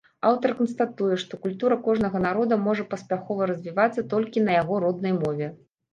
Аўтар канстатуе, што культура кожнага народа можа паспяхова развівацца толькі на яго роднай мове.